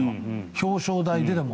表彰台でも。